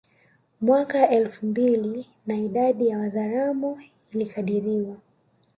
Mwaka elfu mbili na idadi ya Wazaramo ilikadiriwa